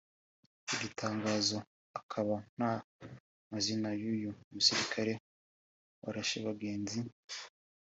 Iri tangazo akaba nta mazina y’uyu musirikali warashe bagenzi